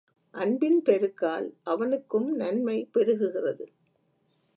அன்பின் பெருக்கால் அவனுக்கும் நன்மை பெருகுகிறது.